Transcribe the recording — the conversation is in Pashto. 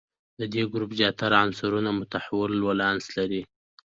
د دې ګروپ زیاتره عنصرونه متحول ولانس لري.